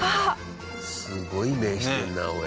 すごい目してるなおい。